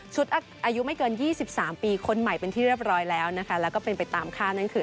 อายุไม่เกิน๒๓ปีคนใหม่เป็นที่เรียบร้อยแล้วนะคะแล้วก็เป็นไปตามค่านั่นคือ